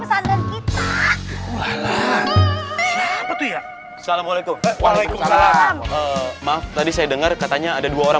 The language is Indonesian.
assalamualaikum waalaikumsalam maaf tadi saya dengar katanya ada dua orang